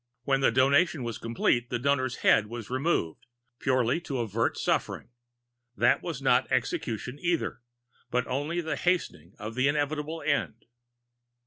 When the Donation was complete, the Donor's head was removed purely to avert suffering. That was not execution, either, but only the hastening of an inevitable end.